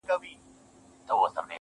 زما پښتون زما ښايسته اولس ته,